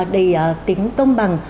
đầy tính công bằng